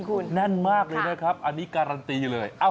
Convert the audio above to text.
คุณแน่นมากเลยนะครับอันนี้การันตีเลย